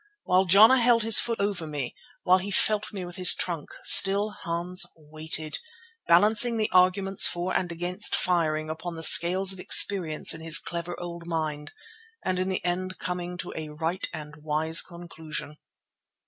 While Jana held his foot over me, while he felt me with his trunk, still Hans waited, balancing the arguments for and against firing upon the scales of experience in his clever old mind, and in the end coming to a right and wise conclusion.